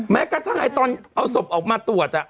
แม้ก็ถ้าไหร่เอาศพออกมาตรวจอ่ะ